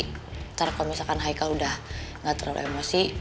kalo misalkan haikal udah gak terlalu emosi